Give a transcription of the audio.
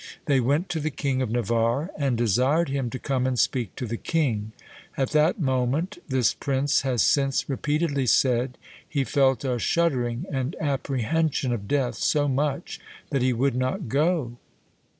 They went to the King of Navarre, and desired him to come and speak to the king; at that moment, this prince has since repeatedly said, he felt a shuddering and apprehension of death so much that he would not go.